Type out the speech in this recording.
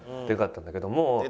でかかったんだけども。